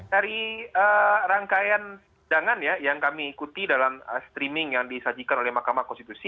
dari rangkaian jangan ya yang kami ikuti dalam streaming yang disajikan oleh mahkamah konstitusi